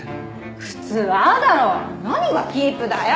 普通ああだろ何がキープだよ！